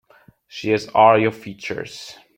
She has all your features.